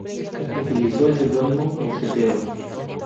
Utilizó el seudónimo "Mosquetero.